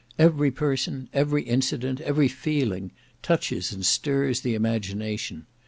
Every person, every incident, every feeling, touches and stirs the imagination.